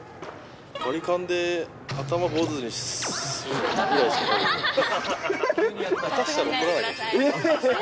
バリカンで頭坊主にするぐらいしかたぶん。